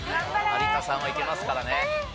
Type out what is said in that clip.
有田さんはいけますからね。